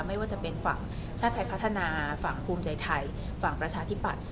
ไม่ว่าจะเป็นฝั่งชาติไทยพัฒนาฝั่งภูมิใจไทยฝั่งประชาธิปัตย